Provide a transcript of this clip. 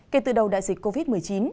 kể từ đầu đại dịch covid một mươi chín